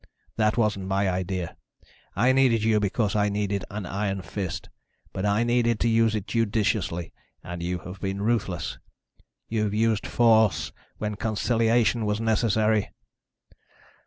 That wasn't my idea. I needed you because I needed an iron fist, but I needed it to use judiciously. And you have been ruthless. You've used force when conciliation was necessary."